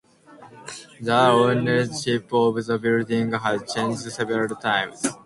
The ownership of the building has changed several times.